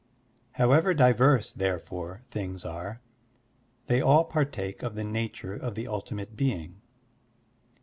However diverse, therefore, things are, they all partake of the nature of the ultimate being.